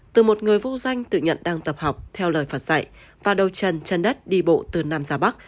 từ một người vô danh tự nhận đang tập học theo lời phật dạy và đầu chân đất đi bộ từ nam ra bắc